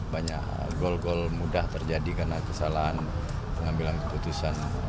banyak gol gol mudah terjadi karena kesalahan pengambilan keputusan